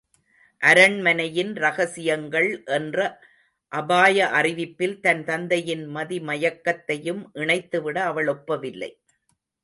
அரண்மனையின் ரகசியங்கள் என்ற அபாய அறிவிப்பில் தன் தந்தையின் மதிமயக்கத்தையும் இணைத்துவிட அவள் ஒப்பவில்லை.